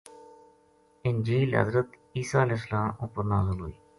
انجیل حضٖرت عیسی علیہ السلام اپر نازل ہوئی۔